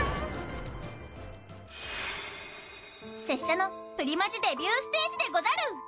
拙者のプリマジデビューステージでござる！